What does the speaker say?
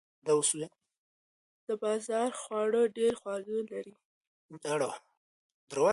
د بازار خواړه ډیر غوړ لري.